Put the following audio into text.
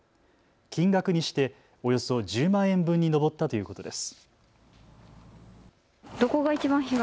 金額にしておよそ１０万円分に上ったということです。